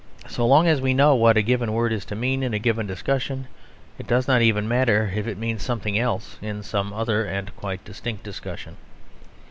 So long as we know what a given word is to mean in a given discussion, it does not even matter if it means something else in some other and quite distinct discussion.